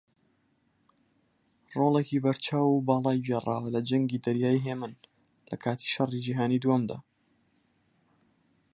ڕۆڵێکی بەرچاو و باڵای گێڕاوە لە جەنگی دەریای ھێمن لەکاتی شەڕی جیهانی دووەمدا